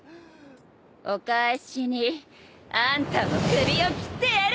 お返しにあんたの首を斬ってやるわよ。